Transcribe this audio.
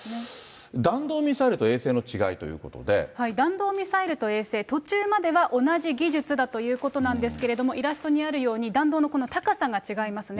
弾道ミサイルと衛星の違いという弾道ミサイルと衛星、途中までは同じ技術だということなんですけれども、イラストにあるように、弾道のこの高さが違いますね。